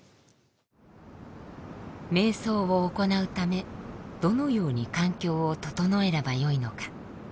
瞑想を行うためどのように環境を整えればよいのか。